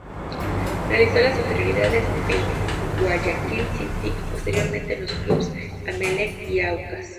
Realizo las inferiores en Guayaquil City y posteriormente en los clubes Emelec y Aucas.